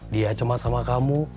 dia cema sama kamu